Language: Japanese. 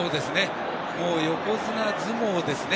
横綱相撲ですね。